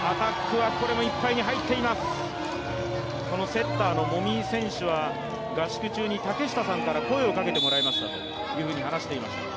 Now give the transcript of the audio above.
セッターの籾井選手は合宿中に竹下さんから声をかけてもらいましたと話していました。